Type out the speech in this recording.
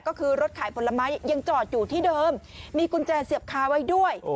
ก็คือรถขายผลไม้ยังจอดอยู่ที่เดิมมีกุญแจเสียบคาไว้ด้วย